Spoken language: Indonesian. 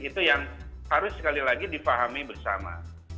itu yang harus sekali lagi difahami bersama